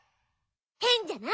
へんじゃない！